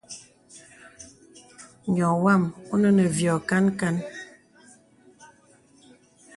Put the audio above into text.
Nyɔ̄ wàm ɔ̀nə nə v yɔ̄ kan kan.